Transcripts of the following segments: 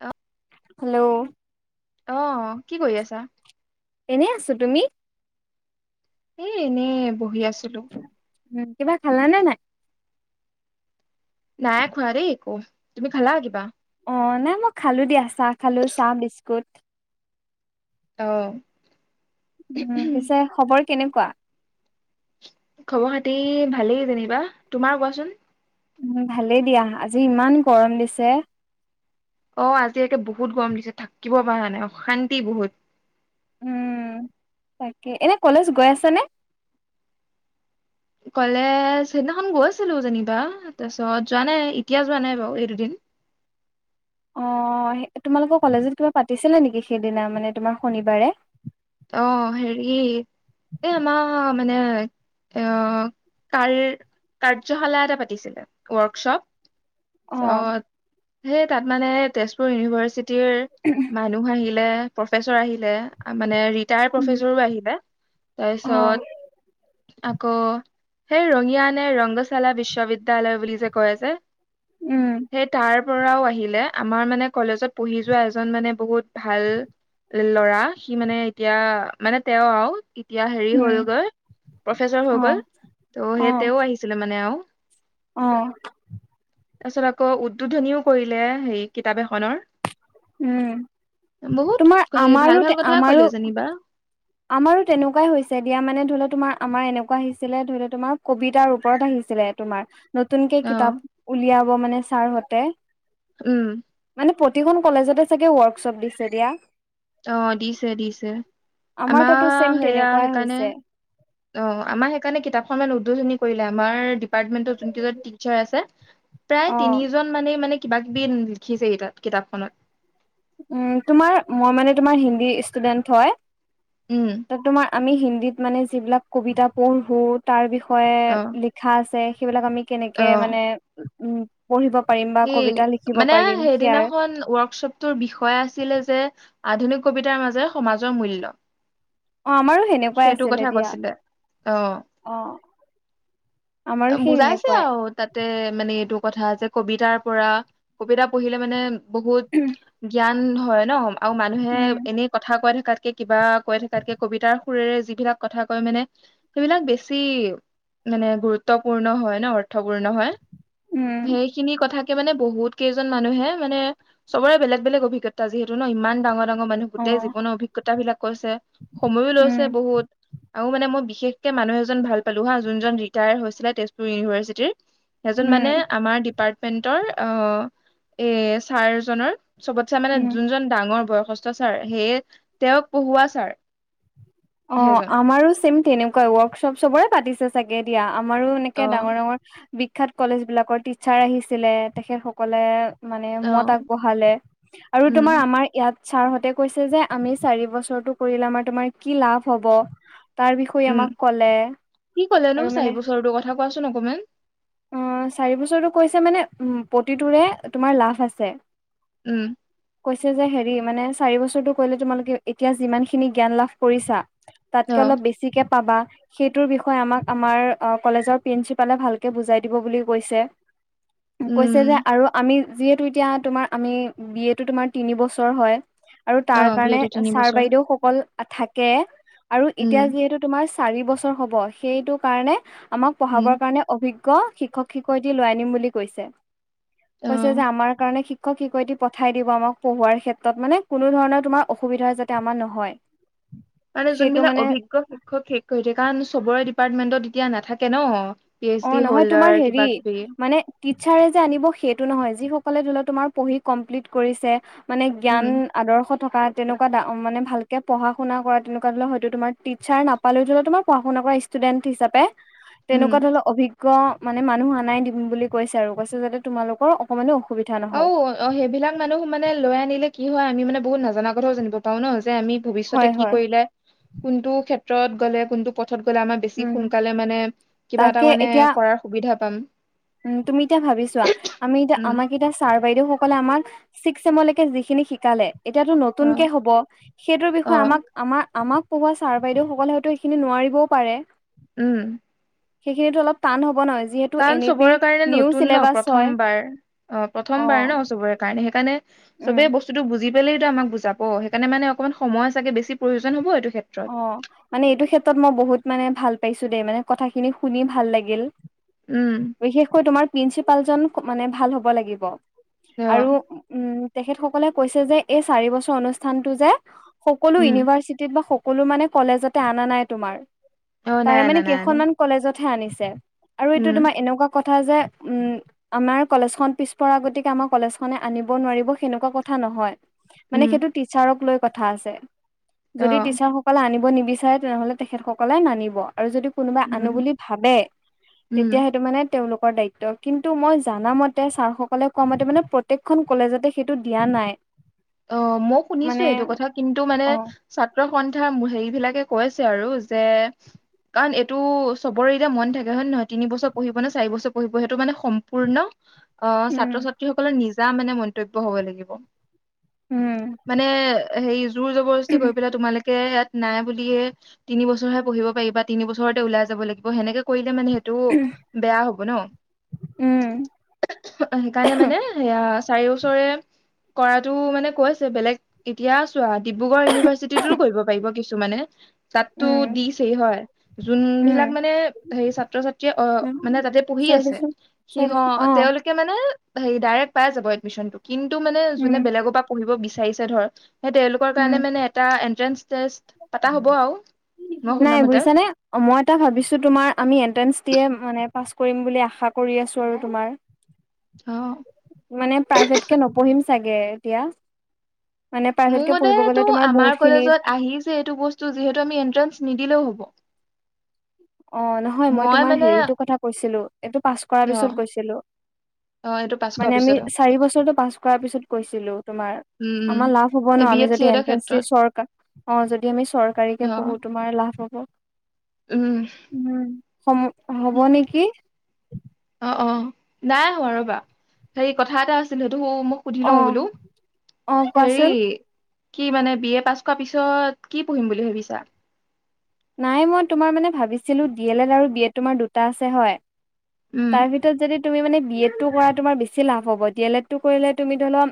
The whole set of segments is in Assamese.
অ হেল্ল' অহ কি কৰি আছা এনে আছো তুমি এ এনেই বহি আছিলো উম কিবা খালা নে নাই নাই খোৱা দেই একো তুমি খালা কিবা অ নাই মই খালো দিয়া চাহ খালো চাহ বিস্কুট। আহ। উম পিছে খবৰ কেনেকুৱা? খবৰ খাতি ভালেই যেনিবা তোমাৰ কোৱাচোন? উম ভালেই দিয়া আজি ইমান গৰম দিছে। অ আজি একাকে বহুত গৰম দিছে থাকিব পৰা নাই অশান্তি বহুত। উম তাকে এনে কলেজ গৈ আছ নে? কলেজ সিদিনাখন গৈ আছিলো যেনিবা তাৰপিছত যোৱা নাই এতিয়া যোৱা নাই বাৰু এই দুদিন। [inaudible] অ তোমালোকৰ কলেজত কিবা পাতিছিলা নেকি সেইদিনা মানে তোমাৰ শনিবাৰে। অ হেৰি এ আমাৰ মানে এ কাৰ কাৰ্যশালা এটা পাতিছিলে ৱৰ্কশ্বপ। অ ত সেই তাত মানে তেজপুৰ ইউনিভাৰ্চিটি মানুহ আহিলে প্ৰফেচৰ আহিলে মানে ৰিটায়াৰ্ড প্ৰফেচৰো আহিলে অ তাৰপিছত আকৌ সেই ৰঙিয়ানে ৰংগশালা বিশ্ববিদ্যয়ালয় বুলি যে কয় যে উম সেই তাৰ পৰাও আহিলে আমাৰ মানে কলেজত পঢ়ি যোৱা এজন মানে বহুত ভাল ল'ৰা সি মানে এতিয়া মানে তেওঁ আৰু- এতিয়া হেৰি উম হলগৈ প্ৰফেচৰ অ হৈ গ'ল ত' সেই তেওঁ আহিছিলে মানে আৰু। আহ। তাৰপিছত আকৌ উদ্বোধনীও কৰিলে হে কিতাপ এখনৰ। উম তোমাৰ বহুত হেৰি আমাৰো ভাল ভাল কথা আমাৰো কলো যেনিবা। আমাৰো তেনেকুৱাই হৈছে দিয়া মানে ধৰি লও তোমাৰ আমাৰ এনেকুৱা আহিছিলে ধৰি ল তোমাৰ কবিতাৰ ওপৰত আহি ছিলে তোমাৰ নতুনকে অ কিতাপ উলিয়াব মানে ছাৰহতে। উম। প্ৰতিখন কলেজতে চাগে ৱৰ্কশ্বপ দিছে দিয়া। অ দিছে দিছে। আমাৰ তাতো ছেম সেয়া তেনেকুৱাই সেইকাৰণে হৈছে অ আমাৰ সেইকাৰণে কিতাপখন মানে উদ্বোধনী কৰিলে আমাৰ ডিপাৰ্টমেণ্টৰ যোনী কেইজন টিচাৰ আছে। প্ৰায় অ তিনিজন মানে মানে কিবা কিবি লিখিছেই তাত কিতাপখনত। উম তোমাৰ মই মানে তোমাৰ হিন্দী ষ্টুডেন্ট হয়। উম। ত তোমাৰ আমি হিন্দীত মানে যিবিলাক কবিতা পঢ়ো তাৰ বিষয়ে অ' লিখা আছে, সেইবিলাক আমি কেনেকে মানে উম। পঢ়িব পাৰিম বা কবিতা ই লিখিব মানে পাৰিম সেয়াৰ সেইদিনাখন ৱৰ্কশ্বপ ত বিষয় আছিলে যে আধুনিক কবিতাৰ মাজে সমাজৰ মূল্য। অ আমাৰো সেনেকুৱাই সেইটো আছিলে কথা দিয়া কৈছিলে আহ। অ আমাৰো সেই বুজাইছে সেনেকুৱাই আৰু তাতে মানে এইটো কথা যে কবিতাৰ পৰা কবিতা পঢ়িলে মানে বহুত জ্ঞান হয় ন। আৰু মানুহে উম এনেই কথা কৈ থকাতকে কিবা কৈ থকাতকে কবিতাৰ সুৰেৰে যিবিলাক কথা কয় মানে সেইবিলাক বেছি মানে গুৰুত্বপূৰ্ণ হয় ন অৰ্থপূৰ্ণ হয় উম সেইখিনি কথা। মানে বহুত কেইজন মানুহে মানে চবৰে বেলেগ বেলেগ অভিজ্ঞতা যিহেতু ন ইমান ডাঙৰ ডাঙৰ মানুহ অ গোটেই জীৱনৰ অভিজ্ঞতা বিলাক কৰিছে সময়ো লৈছে উম বহুত আৰু মে মই বিশেষকে মানুহ এজন ভাল পালো হা যোনজন ৰিটায়াৰ হৈছিলে তেজপুৰ ইউনিভাৰ্চিটিৰ। এজন মানে উম আমাৰ ডিপাৰ্টমেন্টৰ আহ এ ছাৰজনৰ চবত ছাৰ মানে উম যোনজন ডাঙৰ বয়সস্থ ছাৰ সেয়ে তেওঁক পঢ়ুৱা ছাৰ। অ', সেইজন আমাৰো ছেম তেনেকুৱা ৱৰ্কশ্বপ চবৰে পাতিছে চাগে দিয়া। আমাৰো এনেকে অ', ডাঙৰ ডাঙৰ বিখ্যাত কলেজ বিলাকৰ টিচাৰ আহিছিলে তেখেতসকলে মানে মত অ'। আগবঢ়ালে আৰু উম তোমাৰ আমাৰ ইয়াত ছাৰহঁতে কৈছে যে আমি চাৰি বছৰটো কৰিলে আমাৰ তোমাৰ কি লাভ হব তাৰ বিষয়ে উম আমাক ক'লে কি ক'লেনো আৰু চাৰি মানে বছৰটোৰ কথা কোৱাচোন অকমান অ চাৰি বছৰটো কৈছে মানে প্ৰতিটোৰে তোমাৰ লাভ আছে উম'। কৈছে যে হেৰি মানে চাৰি বছৰটো কলে তোমালোকে এতিয়া যিমান খিনি জ্ঞান লাভ কৰিছা তাত অ পাবা সেইটো বিষয়ে কলেজৰ প্ৰিন্চিপালে ভাল বুজাই দিব বুলি কৈছে কৈছে উম যে আৰু আমি যিহেতু এতিয়া তোমাৰ আমি বি এ তো তোমাৰ তিনি বছৰ হয় আৰু অ তাৰ বি এ কাৰণে টো তিনি ছাৰ বছৰ বাইদেউসকল থাকে আৰু উম এতিয়া যিহেতু তোমাৰ চাৰি বছৰ হ'ব সেইটো কাৰণে আমাক উম পঢ়াবৰ কাৰণে অভিজ্ঞ শিক্ষক শিক্ষয় দি লৈ আনিম বুলি কৈছে অ কৈছে যে আমাৰ কাৰণে শ কি কয় দি পঠাই দিব আমাক পঢ়োৱাৰ ক্ষেত্ৰত মানে কোনো ধৰণৰ তোমাৰ অসুবিধা যাতে আমাৰ নহয় মানে সেইটো যোনবিলাক মানে অভিজ্ঞ শিক্ষক শেষ হৈ থাকে কাৰণ চবৰে ডিপাৰ্টমেন্টত এতিয়া নাথাকে ন। পি এইচ অ ডি নহয় তোমাৰ হল্ডাৰ কিবা হেৰি কিবি মানে টিচাৰে যে আনিব সেইটো নহয় যি কলে ধলেও তোমাৰ পঢ়ি কমপ্লিট কৰিছে মানে জ্ঞান উম আদৰ্শ থকা তেনেকুৱা মানে ভালক পঢ়া শুন কৰা তেনেুৱা ধৰ হয়তোম টিচাৰ নাপালেওোলে তোমাৰ পঢা শুন উম কৰা ইা ধ অভিজ্ঞ মানে মানুহ আনাই দিম বুলি কৈছে আৰু কৈছে যাতে তোমালোকৰ অকণমানো অঔ অ সেইবিলাক মানুহ মানে লৈ আনিলে কি হয় আমি মানে বহুত নাজাননা কথাও জানিব পাৰো ন যে আমি ভৱিষয়তে হয় কি হয়। কৰিলে কোনটো ক্ষেত্ৰত গলে কোন পথত গ'লে আমাৰ বেছি উম সোনকালে মানে কিবা তাকে এটা মানে এতিয়া কৰাৰ সুবিধা পাম উম', তুমি এতিয়া ভাবিছোৱাা আমি এতিয়া উম আমাক এতিয়া ছাৰ বাইদেউ সকলে আমাক ছিক্স চমলৈকে যিখিনি শিকালে এতিয়াতো অ নতুনকে হব সেইটোৰ অ বিষয়ে আমাক আমাৰ আমাক কোবাৰ ছাৰ বাইদেউ সকলে হয়তো এইখিনি নোৱাৰিবও পাৰে। উম'। সেইখিনিতো অলপ টান হ'ব নয় যিহেতু কাৰণ এনে চবৰে কাৰণে নতুন ন প্ৰথমবাৰ অ প্ৰথমবাৰ অ', ন চবৰে কাৰণে সেইকাৰণে উম, সবেই বস্তুত বুজি পলেতটো আমাক বুজাব সেইকাৰণে মানে অকমান সময় চাগে বেছি প্ৰয়োজন হ'বটো অ মানে এইটো ক্ষেত্ৰত মই বহুত মানে ভাল পাইছো দেই মানে কথাখিনি শুনি ভাল লাগিল। উম বিশেষকৈ তোমাৰ প্ৰিন্ঞ্চিপাল জন মানে ভাল হব লাগিব। অ আৰু উম তেখেত সকলে কৈছে যে এই চাৰি বছৰ অনুষ্ঠানতটো যে সকলো উম ইউনিভাৰ্চিটিত বা সকলো মানে কলেজতে অনা নাই তোমাৰ। অ তাৰে নাই মানে নাই নাই নাই কেইখনমান কলেজতহে আনিছে আৰু এইটো উম তোমাৰ এনেকুৱা কথা ক যে উম আমাৰ কলেজখন পিছপ আগতিকে আমাৰ কলেজ খনে আনিব নোৱাৰিব সেনেকুৱা কথা নহ নহয় মানে উম সেইটো টিষ্চাৰক লৈ কথা আছে অ যদি আানিব নিবিচাৰে তেনেহ'লে তেখেতসকলে নানিব। আৰু যদি কোনোবা আনো উম বুলি ভাবে তেতিয়া উম সেইটো মানে তেওঁলোকৰ দায়িত্ব কিন্তু মই জানা মতে ছাৰসকলে কোৱা মতে মানে প্ৰত্যেকখন কলেজতে সেইটো দিয়া নাই। নাই। অ', মই শুনিছো মানে সেইটো কথা কিন্তু মানে অ ছাত্ৰ সন্থা হেৰি বিলাকে কৈছে আৰু যে কাৰণ এইটো চবৰে এতিয়া মন থাকে হয়, নে নহয়তিনি বছৰ পঢ়িব, নে চাৰি বছৰ পঢ়িব সেইটো মানে সম্পূৰ্ণ। আহ উম ছাত্ৰ ছাত্ৰীসকলৰ নিজা মানে মন্তব্য হব লাগিব। উম মানে হেৰি জোৰ জবৰদস্তি উম কৰি পেলাই তোমালোকে ইয়াত, নাই বুলিহে তিনি বছৰহে পঢ়িব পাৰি বা তিনি বছৰতে ওলাই যাব লাগিব সেনেকে, কৰিলে মানে সেইটো বেয়া হব ন। সেইকাৰণে মানে সেয়া চাৰি বচৰে কৰাটো মানে কৈছে বেলেগ এতিয়া, চোৱা ডিব্ৰুগড় ইউনিভাৰ্চিটি টো কৰিব পাৰিব কিছু মানে, তাতো উম দিছেই হয় যোন উম বিলাক মানে হে ছাত্ৰ ছাত্ৰীয়ে উম অ'মানে তাতে পঢ়ি [inaudible] অ সিহতে তেওঁলোকে মানে হেৰি ডাইৰেক্ট পাই যাব এডমিশনটো কিন্তু মানে উম যোনে বেলেগৰ পহিব বিচাৰিছে ধৰ সেই তেওঁলোকৰ উম কাৰণে মানে এটা এনট্ৰেস ষ্টেস্ট পাতা হ'ব আৰু। মই নাই বোই শুনামতে ছানে মই এটা ভাবিছো তোমাৰ আমি এন্তেছ দিয়ে মানে, কৰিম বুলি আশা কৰি আছো আৰু তোমাৰ অ' মানে প্ৰাইভেট কে নপঢ়িম চাগে এতিয়া মানে প্ৰাইভেট মোৰ কে মানে পঢ়িব গ'লে তোমাৰ আমাৰ বহুত খিনি কলেজত আহি যে এই বস্ত যিহেতু এত্নেছ নিদিলেও হ'ব। অ' নহয় মই তোমাৰ হেৰিটোৰ কথা কৈছিলো এইটো পাছ কৰাৰ অ পিছত কৈছিলো অ এইটো পাঁচশ মানে আমি পিছত অ চাৰি বছৰটো পাছ কৰাৰ পিছত কৈছিলো তোমাৰ। উম উম আমাৰ লাভ হব এই ন, বি আমি এড চি যদি এডৰ এন্ট্ৰঞ্চ দি ক্ষেত্ৰত চৰকা অ যদি আমি অ চৰকাৰীকে পঢ়ো তোমাৰ লাভ হ'ব। উম উম সম হ'ব নেকি অ অ নাই হোৱা ৰবা হেৰি কথা এটা আছিলে ত মই সুধি অ লওঁ বোলো অ হেৰি। কোৱাচোন কি মানে বি এ পাছ কৰা পিছত কি পঢ়িম বুলি ভাবিছা? নাই মই তোমাৰ মানে ভাবিছিলো, ডি এল এড আৰু বি এড তোমাৰ দুটা আছে হয়। উম তাৰ ভিতৰত যদি তুমি মানে বি এডটো কৰাই তোমাৰ বেছি লাভ হব, ডিঅলড টো কৰিলে তুমি ধৰি লোৱা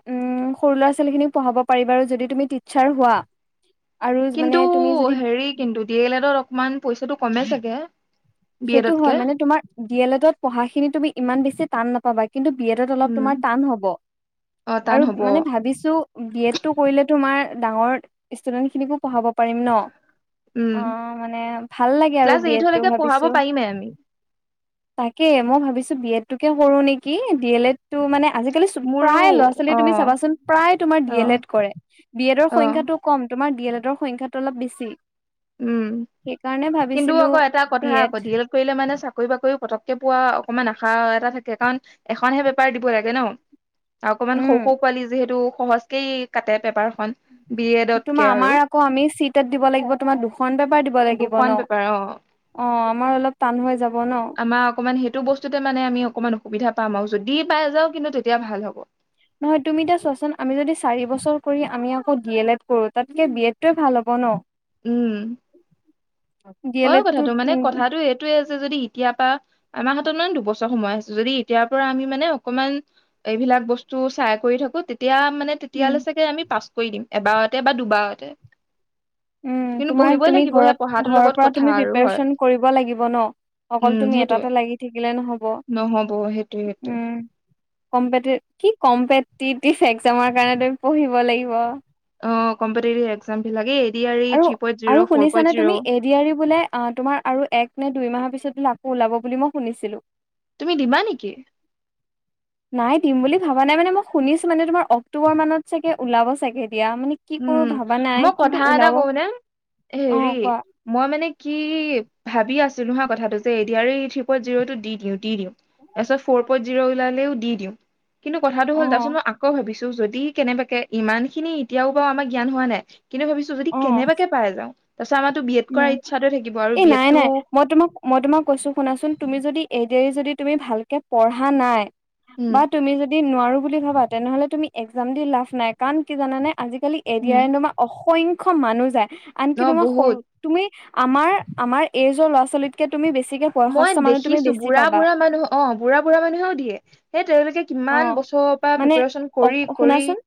সৰু লৰা ছোৱালী খিনিক পঢ়াব পাৰিবা যদি তুমি টিছাৰ হোৱা, আৰু মানে কিন্তু তুমি যদি হেৰি কিন্তু ডি এল এডত অকমান পইচাটো কমে চাগে। বি সেইটো হয় এডতকে মানে তোমাৰ ডি এল এডত পঢ়াখিনি তুমি ইমান বেছি টান নাপাবা। কিন্তু বিয়েডত অলপ উম তোমাৰ টান হ'ব। অ টান আৰু হ'ব মানে ভাবিছো বিএড টো কৰিলে তোমাৰ ডাঙৰ ষ্টুডেন্ট খিনিকো পঢ়াব। পাৰিম নহ উম অ' মানে ভাল লাগে আৰু ক্লাছ এইটলৈকে ভাবিছো পঢ়াব পাৰিমে আমি তাকে মই ভাবিছো বি এড টোকে কৰো নেকি দি এল এডটো মানে আজিকালি মোৰো প্ৰায় লৰা অ ছোৱালী চাবা চোন প্ৰায় তোমাৰ অ ডিএলড কৰে। ডি এল অ এডৰ সংখ্যাটো অলপ বেছি। উম সেইকাৰণে কিন্তু ভাবিছিলো আকৌ এটা বি কথা এড আকৌ ডিএলড কৰিলে মানে চৰি কৰিবা কৰিও পতককে পোৱা অকমান আশা এটা থাকে কাৰণ এখনহে পেপাৰ দিব লাগে ন। অকমান সৌ উম সৰু পোৱালি যিহেতু সহজকেই কাটে পেপাৰ তোমাৰ আমাৰ আকৌ আমি চিটে দিব লাগিব তোমাৰ দুশ। ফোন পেপাৰ পৰা দিব লাগিব দুখন ন, পেপাৰ অ অ' আমাৰ অলপ টান হৈ যাব ন, আমাৰ অকমান সেইটো বস্তুতে মানে আমি অকমান অসুবিধা পাম আও তেতিয়া ভাল হব নহয় তুমি এতিয়া চোৱাচোন আমি যদি চাৰি বছৰ কৰি আমি আকৌ ডি এল এড কৰো তাতকে বি এড টোৱে ভাল হ'ব ন, উম ডি এল হয় এড কথাটো টোত মানে উম কথাটো এইটোয়ে। যদি এতিয়াৰ পৰা আমাৰ হাতত মানে দুবছৰ সময় আছো যদি এতিয়াৰ পৰা আমি মানে অকমান। বিলাক বস্তু চাই কৰি থাকো তেতিয়া। মানে উম তেতিয়ালে চাগে আমি পাছ কৰি দিম এবাৰতে বা দুবাৰতে। উম কিন্তু তোমাৰ পঢ়িবই তুমি লাগিব সেই ঘৰত পঢ়াটোৰ ঘৰৰ লগত পৰা কথা তুমি আৰু হয় প্ৰিপৰেচন কৰিব লাগিব ন' অকল উম তুমি সেইটোয়ে এটাতে লাগি থাকিলে নহব নহ'ব সেইটোয়ে সেইটোয়ে উম। কি কম্পেটিভ কি কম্পেটিতিভ একজামৰ কাৰণ তুমি পঢ়িব লাগিব অ কম্পেতেতীভ এক্সাম বিলাক এই ডি আৰ ই আৰু থ্ৰী পইণ্ট জিৰ' আৰু ফ'ৰ পইণ্ট শুনিছানে জিৰ' তুমি এডিয়াৰ বোলে অ তোমাৰ আৰু এক নে দুই মাহৰ পিছত। লাপো ওলাব বুলি মই শুনিছিলো। তুমি দিবা নেকি? নাই দিম বুলি ভাবা নাই মানে মই শুনিছো মানে তোমাৰ অক্টোবৰ মানত চাগে ওলাব চাগে বদয়া মানে কি কৰো উম ভাবা নাই মই কিন্তু কথা এটা ওলাব কওঁ নে অ হেৰি কোৱা মই মানে কি ভাবি আছো, নহয় কথাটো যে এ এই থৃ জিৰ'টো দি দিওঁ দি দিওঁ তাৰ পিছত ফ'ৰ পইণ্ট জিৰ' ওলালেও দি দিওঁ, কিন্তু কথাটো অ হ'ল তাৰপিছত মই আকৌ ভাবিছো যদি কেনেবাকে ইমান খিনি এতিয়াও বাৰু আমাৰ জ্ঞান হোৱা নাই। কিন্তু ভাবিছো যদি অ কেনেবাকে পাই যাওঁ। তাৰপিছত আমাৰতো বি এড উম কৰাৰ ইচ্ছাটোৱে থাকিব আৰু এ বি নাই এডটো নাই মই তোমাক মই তোমাক কৈছো শুনাচোন তুমি যদি, যদি তুমি ভালকে পঢ়া নাই উম, বা তুমি যদি, দি নোৱাৰো বুলি ভাবা তেনেহ'লে তুমি এক্জাম দি লাভ নাই কাৰণ কি জানে, আজিকালি উম, এদিয়াৰে তোমাৰ অসংখ্য মানুহ যায় আনকি অ, তোমাৰ সৰু বহুত তুমি আমাৰ আমাৰ এজ ল'ৰা ছোৱালীতকে তুমি বেছি, বেছিকে মই বয়সস্থ মানুহ তুমি দেখিছো বুঢ়া পাবা বুঢ়া মানুহ অ' বুঢ়া বুঢ়া মানুহেও দিয়ে সেই তেওঁলোকে, অ কিমান বছৰৰ পৰা মানে প্ৰিপৰেচন অ কৰি কৰি শুনাচোন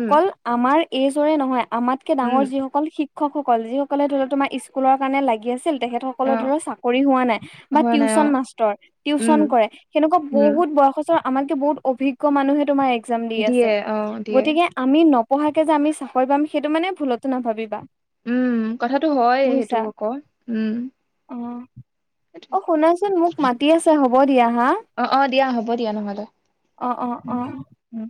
উম। আমাৰ এইজৰে নহয় আমাতকে ডাঙৰ উম, যিসকল শিক শিক্ষকসকল যিসকলে ধৰি লক তোমাৰ স্কুলৰ কাৰণে লাগি আছিল। তেখেত সকলৰ অ, চাকৰি হোৱা নাই বা হোৱা নাই অ, টিচন মাষ্টৰ উম, টিউচন কৰে সেনেকুৱা উম, বহুত বয়স আমাকে বহুত অভিজ্ঞ মানুহে তোমাৰ এক্জাম দি আছে দিয়ে অ, দিয়ে গতিকে আমি পঢ়াকে যে আমি চাকৰি পাম সেইটো মানে ভুলতো নাভাবিবা। উম কথাাতটো হয় সেইটো বুজিছা। আকৌ উম অ', সেইটোৱে। অ' শুনাচোন মোক মাতি আছে হ'ব দিয়া হা। অ' অ' দিয়া হ'ব দিয়া নহ'লে। অ' অ' উম, অ' উম,